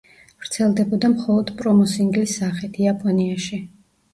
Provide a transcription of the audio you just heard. ვრცელდებოდა მხოლოდ პრომო სინგლის სახით, იაპონიაში.